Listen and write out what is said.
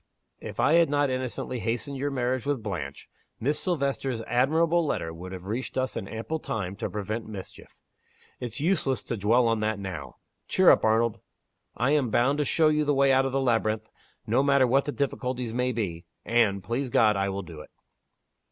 If I had not innocently hastened your marriage with Blanche, Miss Silvester's admirable letter would have reached us in ample time to prevent mischief. It's useless to dwell on that now. Cheer up, Arnold! I am bound to show you the way out of the labyrinth, no matter what the difficulties may be and, please God, I will do it!"